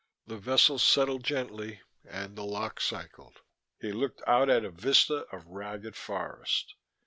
The vessel settled gently and the lock cycled. He looked out at a vista of ragged forest.